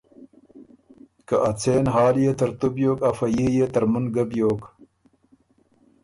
که ا څېن حال يې ترتُو بیوک افۀ يي يې ترمُن ګۀ بیوک۔